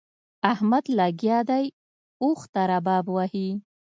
احمد لګيا دی؛ اوښ ته رباب وهي.